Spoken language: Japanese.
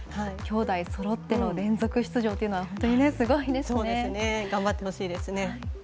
兄弟そろっての連続出場というのは本当に頑張ってほしいですね。